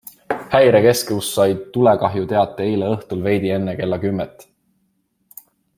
Häirekeskus sai tulekahjuteate eile õhtul veidi enne kella kümmet.